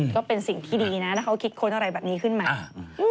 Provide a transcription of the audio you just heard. ก็เป็นสิ่งที่ดีนะถ้าเขาคิดค้นอะไรแบบนี้ขึ้นมา